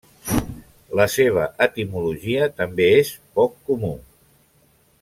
La seva etimologia també és poc comú.